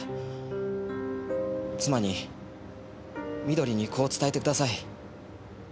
妻に美登里にこう伝えてください。